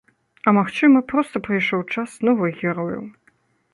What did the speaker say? А магчыма, проста прыйшоў час новых герояў.